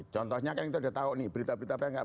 contohnya kan kita udah tahu nih berita berita apa yang nggak